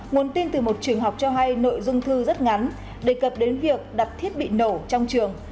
nguồn tin từ một trường học cho hay nội dung thư rất ngắn đề cập đến việc đặt thiết bị nổ trong trường